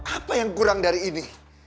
apa yang kurang dari ini